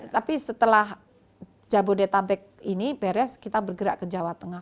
tapi setelah jabodetabek ini beres kita bergerak ke jawa tengah